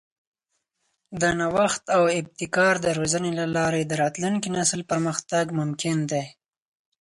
د نوښت او ابتکار د روزنې له لارې د راتلونکي نسل پرمختګ ممکن دی.